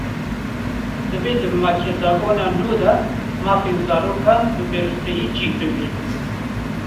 Divê di makezagona nû de mafên zarokan, bi berfirehî cih bigirin